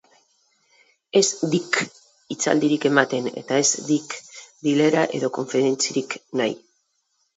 Ez dik hitzaldirik ematen eta ez dik bilera edo konferentziarik nahi.